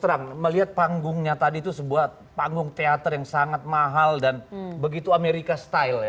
trump melihat panggungnya tadi itu sebuah panggung teater yang sangat mahal dan begitu amerika style ya